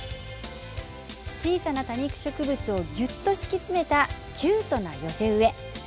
小さな多肉植物をぎゅっと敷き詰めたキュートな寄せ植え。